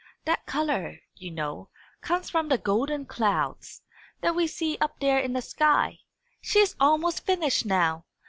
"That colour, you know, comes from the golden clouds, that we see up there in the sky. She is almost finished now.